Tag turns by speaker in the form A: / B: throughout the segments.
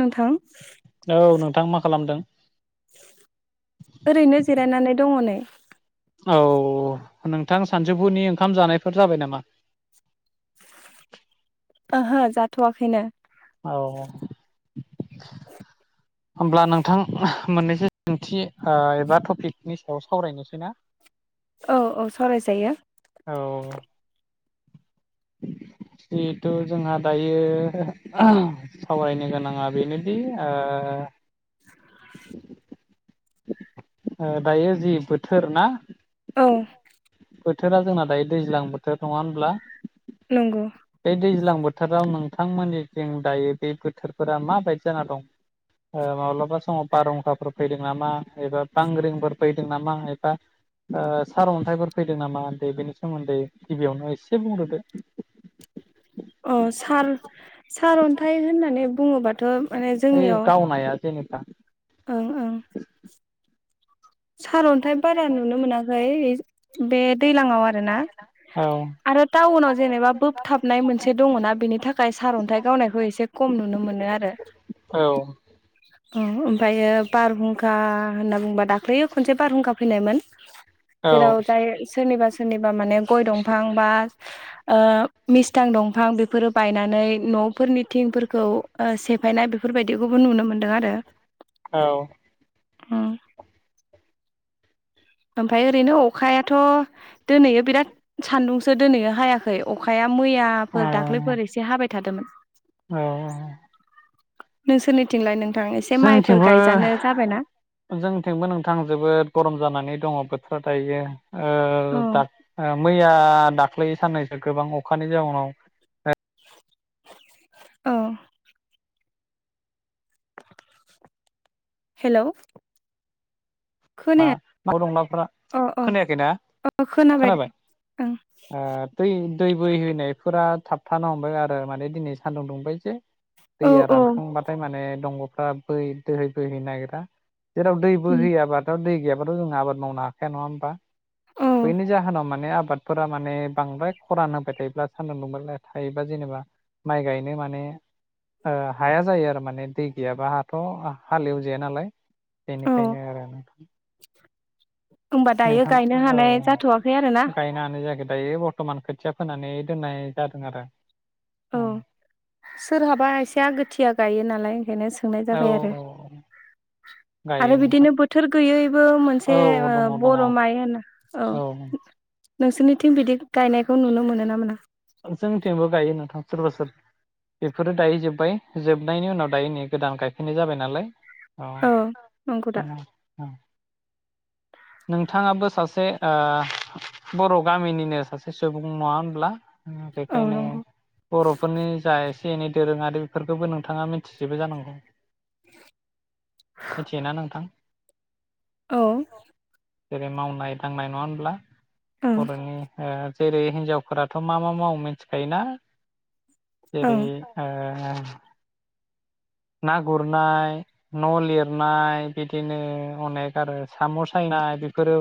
A: नोंथां
B: औ नोंथां मा खालामदों
A: ओरैनो जिरायनानै दङ नै
B: औ नोंथां सानजौफुरनि ओंखाम जानायफोर जाबाय नामा
A: ओहो जाथ'वाखैनो
B: औ [inaudible] होमब्ला नोंथां मोननैसो सोंथि ओ एबा टपिकनि सायाव सावरायनोसै ना
A: औ औ सावरायजायो
B: औ जिहेथु जोंहा दायो सावरायनो गोनाङा बेनोदि ओ ओ दायो जि बोथोर ना
A: औ
B: बोथोरा जोंना दायो दैज्लां बोथोर नङा होनब्ला
A: नंगौ
B: बे दैज्लां बो थोराव नोंथांमोननि जों दायो बे बोथोरफोरा माबायदि जाना दं ओ माब्लाबा समाव बारहुंखाफोर फैदों नामा एबा बांग्रिंफोर फैदों नामा एबा ओ सारअन्थाइफोर फैदों नामा बेनि सोमोन्दै गिबियावनो एसे बुंग्रोदो
A: अ सार सारअनथाइ होननानै बुङोबा थ' माने जोंनियाव
B: बा
A: ओं ओं सारअनथाइ बारा नुनो मोनाखै बे दैलांङाव आरो ना
B: औ
A: आरो टाउनाव जेनेबा बोबथाबनाय मोनसे दङना बेनि थाखाय सारअनथाइ गावनायखौ एसे खम नुनो मोनो आरो
B: औ
A: ओ ओमफ्रायो बारहुंखा होनना बुंङोबा दा ख्लि खनसे बारहुंखा फैनायमोन
B: औ
A: जेराव जाय सोरनिबा सोरनिबा माने गय दंफां बा ओ मिस्थां दंफां बेफोरो बायनानै न'फोरनि थिंफोरखौ अ सेफायनाय बेफोरबायदिखौबो नुनो मोनदों आरो
B: औ
A: उम ओमफ्राय ओरैनो अखायाथ' दोनैयो बिराद सानदुंसो दोनैयो हायाखै अखाया मैयाफोर दाख्लैफोर एसे हाबाय थादोंमोन
B: अ
A: नोंसोरनि
B: जोंथिंबो
A: जाबायना
B: जोंथिंबो नोंथां जोबोद गरम जानानै दङ बोथोरा दायो ओ
A: औ
B: दाथ' मैया दा ख्लैै साननैसो गोबां अखानि जाउनाव
A: औ हेल'
B: मा नाव [unintelligible]
A: अ अ
B: खोनायाखैना खोनाबाय
A: ओं
B: ओ दै दै बोहैनायफोरा थाबथानो हमबाय आरो माने दिनै सानदुं दुंबाय जे
A: औ
B: दैया
A: औ
B: रानखांबाथाय माने दंग'फ्रा बै दै बोहै नागिरा जेराव दै
A: उम
B: बोहोयाबा दै गैयाबाथ' जों आबाद मावनो हाखाया नङा होमबा
A: औ
B: बैनि जाहोनाव माने आबादफोरा माने बांद्राय खरान होबाय थायोब्ला सानदुं दुंबाय थायोबा जेनेबा माइ गायनो माने ओ हाया जायो आरो माने दै गैयाबा हाथ' हालेवजाया नालाय
A: औ
B: बेनिखायनो आरो नोंथां
A: होमबा दायो गायनो हानाय जाथ'वाखै आरो ना
B: ओमफ्राय बर्थमान खोथिया फोनानै दोननाय जादों आरो
A: औ सोरहाबा एसे आगोथिया गायो नालाय ओंखायनो सोंनाय
B: औ
A: जाबाय आरो
B: औ गायो
A: आरो
B: नोंथां
A: बिदिनो बोथोर गैयैबो मोनसे
B: औ दङ दङ
A: बर' माइ होनो औ नोंसोरनिथिं बिदि गायनायखौ नुनो मोनो ना मोना
B: जोंथिंबो गायो नोंथां सोरबा सोर बेफोरो दायो जोबबाय जोबनायनि उनाव दायो नै गोदान गायफिनाय जाबाय नालाय
A: औ नंगौ दा
B: औ नोंथाङाबो सासे बर' गामिनिनो सासे सुबुं नङा होनब्ला
A: औ
B: बेखायनो
A: नंगौ
B: बर'फोरनि जा एसे एसे एनै दोरोङारि बेफोरखौबो नोंथाङा मिथिजोबो जानांगौ मिथियोना नोंथां औ जेरै मावनाय दांनाय नङा होनब्ला
A: ओं
B: फरायनाय जेरै हिनजावफोराथ' मा मा मावो मिथिखायो ना? जेरै
A: ओं
B: आ [unintelligible] ना गुरनाय न' लिरनाय बिदिनो अनेक आरो साम' सायनाय बेफोरो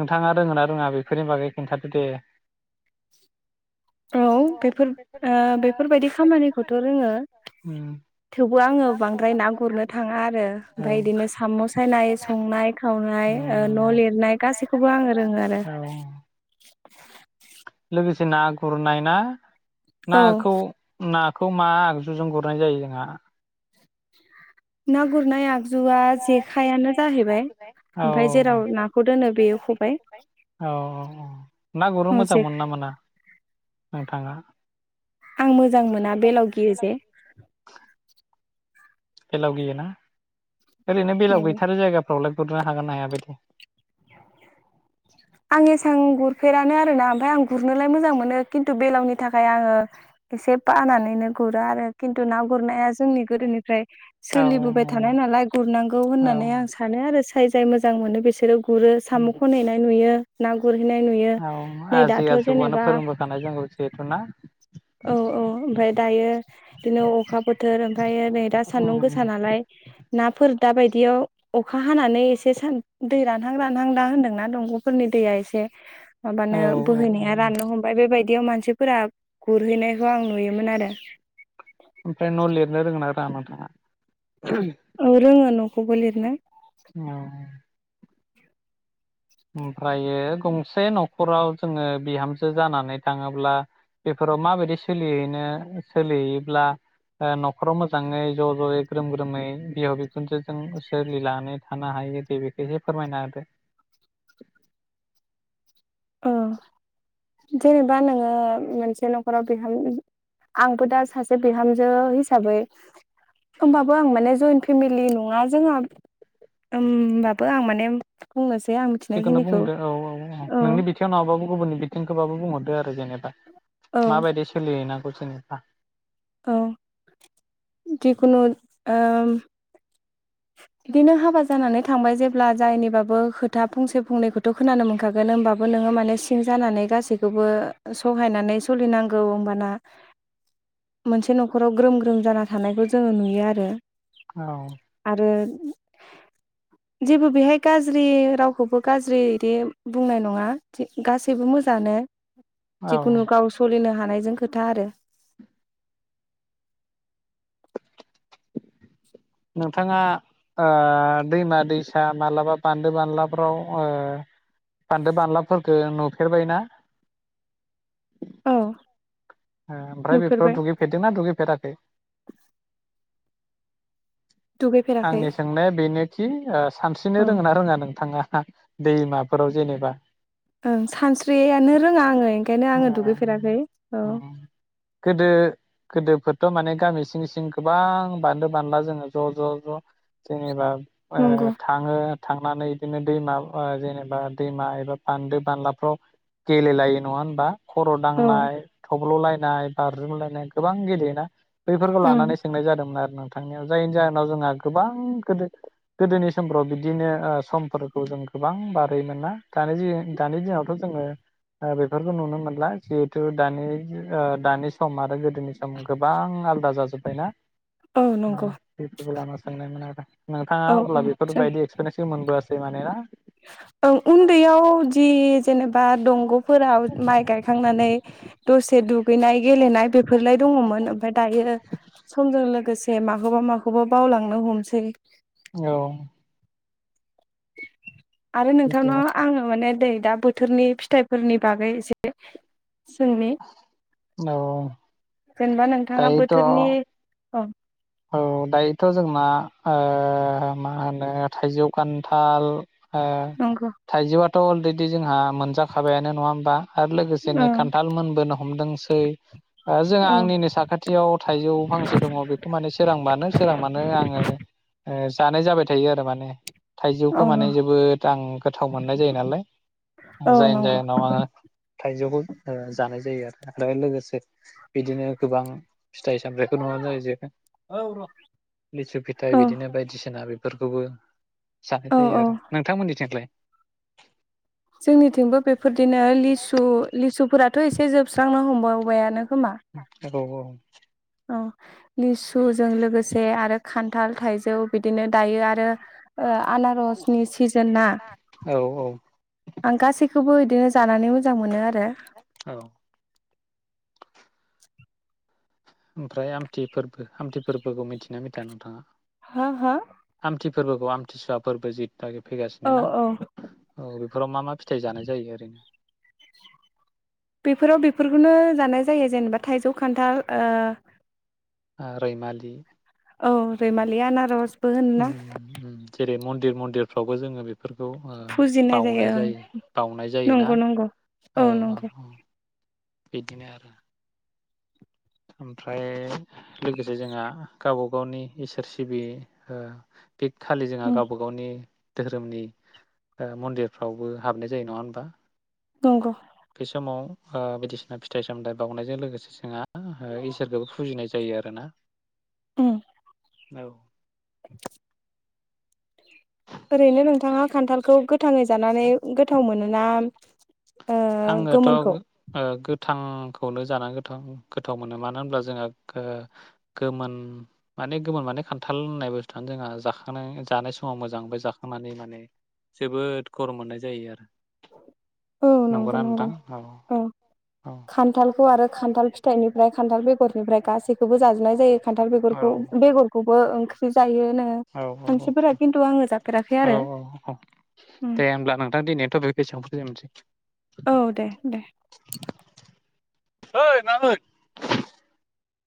B: नोंथाङा रोङो ना रोङा बेफोरनि बागै खिन्थादो दे।
A: औ बेफोर ओ बेफोरबायदि खामानिखौथ' रोङो
B: उम
A: थेवबो आङो बांद्राय ना गुरनो थाङा आरो
B: औ
A: ओमफ्राय बिदिनो साम' सायनाय संनाय खावनाय
B: उम
A: न' लिरनाय गासैखौबो आङो रोङो आरो।
B: औ ना गुरनायना?
A: औ
B: नाखौ ना खौ मा आगजुजों गुरनाय जायो जोंहा।
A: ना गुरनाय आगजु
B: औ
A: ओमफ्राय जेराव नाखौ दोनो बेयो खबाइ
B: औ ना गुरनो मोजां
A: जे
B: मोनो नामा ना नोंथाङा?
A: आं मोजां मोना बेलाव गियो जे
B: बेलाव गियोना? ओरैनो
A: नंगौ
B: गैथारै जायगाफ्राव फ्रावलाय‌ गुरनो हागोन ना हायाबायदि?
A: आं एसां गुरफेरानो आर ना ओमफ्राय आं गुरनोलाय मोजां मोनो खिन्थु बेलावनि थाखाय आङो एसे बानानैनो गुरो आरो खिन्थु ना गुरनाया जोंनि गोदोनिफ्राय
B: औ
A: सोलिबोबाय थानाय नालाय गुरनांगौ
B: औ
A: होननानै आं सानो आरो। जाय जाय मोजां मोनो बिसोरो गुरो
B: उम
A: साम'खौ खननैनाय नुयो। ना गुरनाय
B: औ आजि आजौआनो
A: जेनेबा
B: फोरोंबोखानाय जोंखौ जिहेथु ना
A: औ औ ओमफफ्राय दायो बिदिनो अखा बोथोर ओमफ्रायायो नै दा सान्दुं
B: उम
A: गोसा नालाय नाफोर दा बायदियाव अखा हानानै एसे सान दै रानहां रानहां दा होन्दोंना दंग'फोरनि दैया एसे
B: औ
A: माबानो बोहैनाया
B: औ
A: राननो हमबाय बेबायदि बिदियाव मानसिफोरा गुरहैनायखौ आं नुयोमोन आरो
B: ओमफ्राय न लिरनो रोंयो ना रोंङा नोंथाङा?
A: ओ रोङो नों खौबो लिरनो
B: औ ओमफ्रायो गंसे नखराव जोङो बिहामजो जानानै थाङोब्ला बेफोराव माबायदि सोलिहैनो सोलिहैयोब्ला नखराव मोजाङै ज जयै ग्रोम ग्रोमै बिहाव बिखुनजोजों सोलिनानै थानो हायो दे बेखौ एसे फोरमायना होदो।
A: अ जेनेबा नोङो मोनसे नखराव बिहाम आंबो दा सासे बिहामजो हिसाबै होमबाबो आं माने जइन्ट फेमिलि नङा जोंहा होनबाबो आं माने बुंनोसै बे आं मिथिनायखिनिखौ औ
B: थियाव नङाबाबो गुबुननि बिथिंखौबाबो बुंहरदो आरो जेनेबा
A: औ
B: माबायदि सोलिहैनां [unintelligible]
A: औ जिखुनु ओ बिदिनो हाबा जानानै थांबाय जेब्ला जायनिबाबो खोथा फंसे फंनैखौथ' खोनानो मोनखागोन होमबाबो नोङो माने सिं जानानै गासैखौबो सहायनानै सोलिनांगौ होमबाना मोनसे नखराव ग्रोम ग्रोम जाना थानायखौ जोङो नुयो आरो
B: औ
A: आरो जेबो बेहाय गाज्रि रावखौबो गाज्रि बिदि बुंनाय नङा गासैबो मोजाङानो
B: औ
A: जिखुनु गाव सलिनो हानाय जों खोथा आरो
B: नोंथाङा ओ दैमा दैसा मालाबा बान्दो बानलाफोराव ओ बान्दो बानलाफोरफोरखौ नुफेरबायना?
A: औ
B: ओ ओमफ्राय बेफोराव
A: नुफेरबाय
B: दुगैफेरदोंना दुगैफेराखै?
A: दुगैफेराखै
B: आंनि सोंनाया बेनोखि ओ सानस्रिनो
A: औ
B: रोङो ना रोङा नोंथाङा? दैमाफोराव जेनेबा
A: ओं सानस्रियानो रोङा आङो ओंखायनो आङो दुगैफेराखै औ
B: गोदोफोरथ'माने गामि सिं सिं गोबां बानदो बानला जोङो ज'ज' ज' जेनेबा
A: नंगौ
B: ओ थाङो थांनानै बिदिनो दैमा ओ जेनेबा दैमा एबा बान्दो बानलाफ्राव गेलेलायो नङा होनबा खर'
A: औ
B: दांनाय थब्ल'लाय नाय बाज्रुमलायनाय गोबां गेलेयो ना बैफोरखौ
A: उम
B: लानानै सोंनाय जादोंमोन आरो नोंथांनियाव जायनि जाहोनाव जोंहा गोबां गोदो गोदोनि समफ्राव बिदिनो ओ समफोरखौ जों गोबां बारहोयो मोनना दानि दानि दिनावथ' जोङो ओ बेफोरखौ नुनो मोनला जिहेथु दानि ओ दानि सम आरो गोदो नि सम गोबां आलदा जाजोब्बाय ना
A: औ नंगौ
B: बेफोरखौ लाना सोंनायमोन आरो नोंथाङा
A: औ औ
B: अब्ला
A: जायो
B: बेफोरबायदि एक्सपिरियेन्सखौ मोनबोआसै [unintelligible] माने ना
A: ओं उन्दैयाव जि जेनेबा दंग'फोराव माइ गायखांनानै दसे दु दुगैनाय गेलेनाय बेफोरलाय दङमोन ओमफ्राय दायो समजों लोगोसे माखौबा माखौबा बावलांनो हमसै
B: औ
A: आरो
B: बिदि
A: नोंथांनाव
B: आरो
A: आङो माने दै दा बोथोरनि फिथाइफोरनि बागै एसे सोंनि
B: औ
A: जेनबा नों नोंथाङा
B: दायोथ'
A: बोथोरनि औ
B: औ दायोथ' जोंना ओ मा होनो थाइजौ खान्थाल ओ
A: नंगौ
B: थाइजौआ थ' अलरेडि जोंहा मोनजाखाबायानो नङा होमबा आरो लोगोसेनो
A: ओं
B: खान्थाल मोनबोनो हमदोंसो। [inaudible] ओ जोंहा
A: औ
B: आंनिनो साखाथियाव थाइजौ फांसे दङ बे सोरांबानो सोरांबानो आङो जानाय जाबाय थायो आरो माने।
A: औ
B: थाइजौखौ माने जोबोद आं गोथाव मोननाय जायो नालाय
A: औ
B: जायनि
A: नंगौ
B: जाहोनाव आङो थाइजौखौ जानाय जायो आरो आरो लोगोसे बिदिनो गोबां फिथाय सामथायाइखौ नुआ जायो जेख ओ र लिसु फिथाइ
A: औ
B: बिदिनो बायदिसिना फोरखौबो
A: औ
B: जानाय जायो
A: औ
B: आरो नोंथांमोननिथिंलाय?
A: जोंनिथिंबो बे फोरदिनो लिसु लिसुफोरा थ' एसे जोबस्रांनो हमबावबायानो। खोमा
B: [unintelligible] अ
A: औ लिसुजों लोगोसे आरो खान्थाल थाइजौ बिदिनो दायो आरो ओ। आनारसनि सिजोन ना
B: औ औ
A: आं गासैखौबो बिदिनो जानानै मोजां मोनो आरो। द
B: औ
A: [unintelligible]
B: ओमफ्राय आमथि फोरबो आमथि फोरबोखौ मिथिना मिथिया नोंथाङा?
A: हो हो
B: आमथि फोरबोखौ आमथिसुवा फोरबो जि फैगासिनो
A: औ
B: ना
A: औ
B: औ। बेफोराव मा मा फिथाइ जानाय जायो ओरैनो
A: बेफोराव बेफोरखौनो जानाय जायो जेनेबा थाइजौ खान्थाल ओ
B: ओ रैमालि-
A: औ रैमालि आनारस बो
B: उम
A: होनोना
B: उम जेरै मन्दिर मन्दिरफ्रावबो जोङो बेफोरखौ
A: फुजिनाय
B: बावनाय
A: ओं
B: जायो बावनाय जायोना
A: नंगौ नंगौ
B: औ औ औ। बिदिनो आरो ओमफ्राय लोगोसे जोंहा गावबा गावनि इसोर सिबि ओ [unintelligible] खालि जोंहा
A: उम
B: गावबा गावनि धोरोमनि ओ मन्दिरफ्रावबो हाबनाय जायो नङा होनबा
A: नंगौ
B: बे समाव ओ बायदिसिना फिथाइ सामथायाइ बावनायजों लोगोसे जोंहा इसोरखौबो फुजिनाय जायो आरोना
A: ओम
B: औ
A: [inaudible] ओरैनो नोंथाङा खान्थालखौ गोथाङै जानानै गोथाव मोनोना ओ
B: आङोथ'
A: गोमोनखौ?
B: गो गोथांखौनो जानानै गोथाव गोथाव मोनो मानो होनब्ला जोंहा गोमोन माने गोमोन माने खान्थाल होननाय बुस्थुआनो जोंहा जाखांनाय जानाय समाव मोजां बे जाखांनानै माने जोबोद गरम मोननाय जायो आरो
A: औ नंगौ
B: नंगौना
A: नंगौ
B: नोंथां
A: औ
B: औ
A: खान्थालखौ आरो खान्थाल फिथाइनिफ्राय खान्थाल बेगरनिफ्राय गासैखौबो जाजोबनाय जायो खान्थाल
B: औ
A: बेगरखौ बेगरखौबो ओंख्रि जायो नोङो मानसिफोरा खिन्थु आङो जाफेराखै
B: औ
A: आरो
B: औ औ दे होमब्ला नोंथां दिनैथ' बे बेसेबां फोजोबनोसै
A: औ दे दे
B: ओइ मामोन